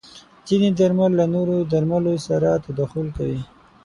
ځینې درمل له نورو درملو سره تداخل کوي.